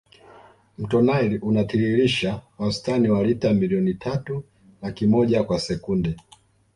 mto nile unatiririsha wastani wa lita milioni tatu laki moja kwa sekunde